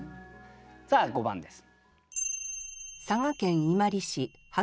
さあ５番です。